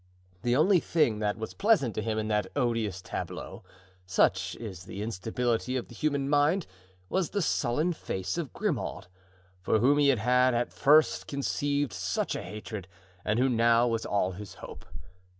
The only thing that was pleasant to him in that odious tableau—such is the instability of the human mind—was the sullen face of Grimaud, for whom he had at first conceived such a hatred and who now was all his hope.